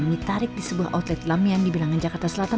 yang ditarik di sebuah outlet lamian di bilangan jakarta selatan